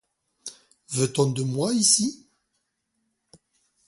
Veut-on de moi ici?